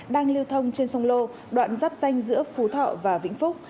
đang lưu thông trên sông lô đoạn giáp danh giữa phú thọ và vĩnh phúc